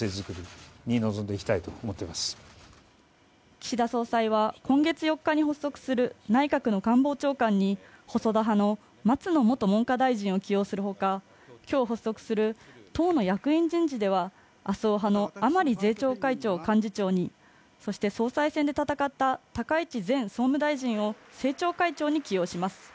岸田総裁は今月４日に発足する内閣の官房長官に細田派の松野元文科大臣を起用するほかきょう発足する党の役員人事では麻生派の甘利税調会長を幹事長にそして総裁選で戦った高市前総務大臣を政調会長に起用します